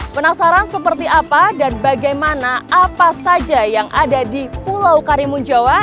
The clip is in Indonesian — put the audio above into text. penasaran seperti apa dan bagaimana apa saja yang ada di pulau karimun jawa